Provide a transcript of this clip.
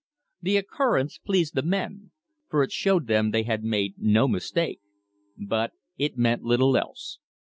The occurrence pleased the men, for it showed them they had made no mistake. But it meant little else.